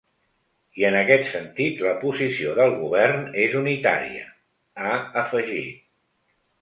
I en aquest sentit, la posició del govern és unitària, ha afegit.